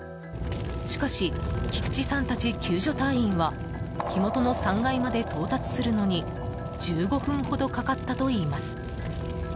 しかし、菊池さんたち救助隊員は火元の３階まで到達するのに１５分ほどかかったといいます。